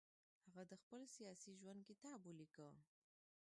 هغه د خپل سیاسي ژوند کتاب ولیکه.